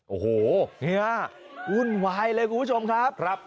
โอ้โหเนี่ยวุ่นวายเลยคุณผู้ชมครับ